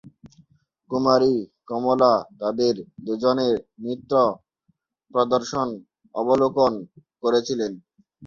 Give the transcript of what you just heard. কুমারী কমলা তাঁদের দুজনের নৃত্য প্রদর্শন অবলোকন করেছিলেন।